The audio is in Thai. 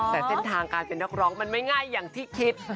แต่เส้นทางการเป็นนักร้องมันไม่ง่ายอย่างที่คิด